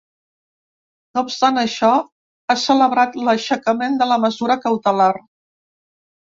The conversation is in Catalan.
No obstant això, ha celebrat l’aixecament de la mesura cautelar.